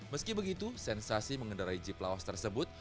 meski begitu sensasi mengendarai jeep laos tersebut